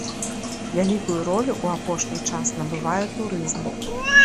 Вялікую ролю ў апошні час набывае турызм.